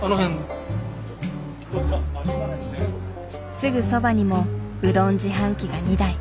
すぐそばにもうどん自販機が２台。